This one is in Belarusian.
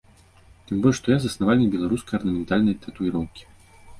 Тым больш, што я заснавальнік беларускай арнаментальнай татуіроўкі.